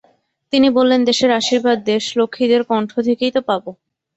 তিনি বললেন, দেশের আশীর্বাদ দেশলক্ষ্মীদের কণ্ঠ থেকেই তো পাব।